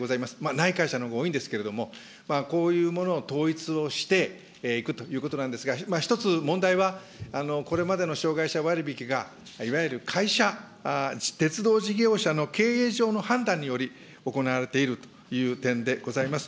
ない会社のほうが多いんですけれども、こういうものを統一をしていくということなんですが、１つ問題は、これまでの障害者割引が、いわゆる会社、鉄道事業者の経営上の判断により行われているという点でございます。